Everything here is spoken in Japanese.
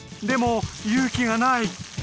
でも勇気がない。